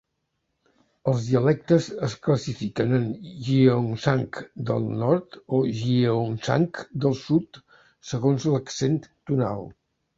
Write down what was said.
Els dialectes es classifiquen en Gyeongsang del nord o Gyeongsang del sud segons l'accent tonal.